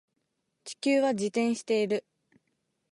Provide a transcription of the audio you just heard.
地球は自転している